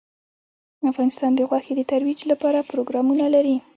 افغانستان د غوښې د ترویج لپاره پروګرامونه لري.